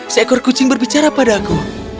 seekor kucing berbicara padamu